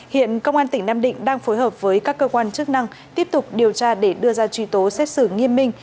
hiện công an tỉnh nam định đang phối hợp với các cơ quan chức năng tiếp tục điều tra để đưa ra truy tố xét xử nghiêm minh